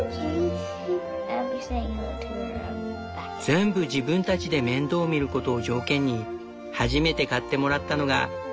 全部自分たちで面倒みることを条件に初めて買ってもらったのが日本原産の白いチャボ。